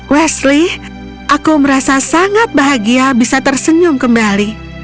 wesley aku merasa sangat bahagia bisa tersenyum kembali